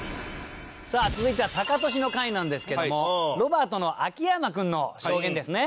さあ続いてはタカトシの回なんですけどもロバートの秋山君の証言ですね。